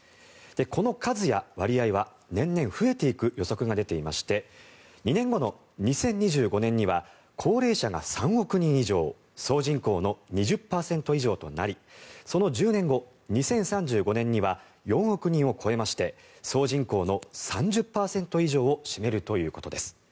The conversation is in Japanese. この数や割合は年々増えていく予測が出ていまして２年後の２０２５年には高齢者が３億人以上総人口の２０％以上となりその１０年後、２０３５年には４億人を超えまして総人口の３０％以上を占めるということです。